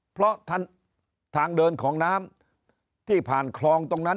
เพราะทางเดินของน้ำที่ผ่านคลองตรงนั้น